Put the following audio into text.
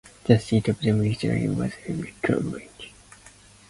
The seat of the municipality was in Chiliomodi.